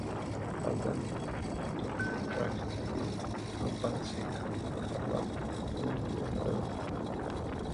Halfdan y Ragnhild fueron padres de Harald I de Noruega.